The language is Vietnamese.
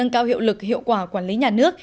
cao hiệu lực hiệu quả quản lý nhà nước